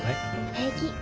平気。